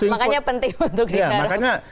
makanya penting untuk diharapkan